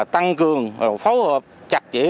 tăng cường phó hợp chặt chỉ